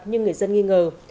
nhưng người dân nghi ngờ